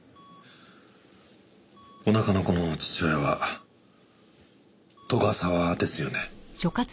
お腹の子の父親は斗ヶ沢ですよね？